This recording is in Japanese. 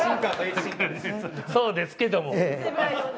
そうですけども。